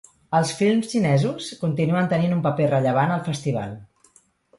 Els films xinesos continuen tenint un paper rellevant al festival.